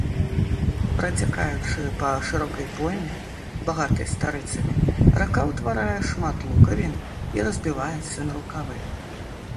Працякаючы па шырокай пойме, багатай старыцамі, рака ўтварае шмат лукавін і разбіваецца на рукавы.